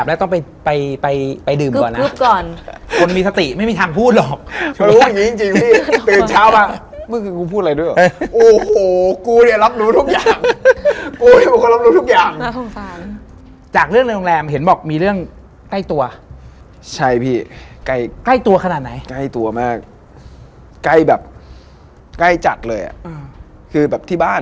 แบบเห็นเลยอ่ะเฮ้ยก็คือแบบอะไรวะหัวอยู่ในบ้าน